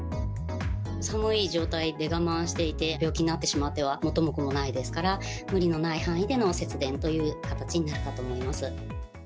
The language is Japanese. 寒い状態で我慢していて、病気になってしまっては、元も子もないですから、無理のない範囲での節電という形になるかと思います。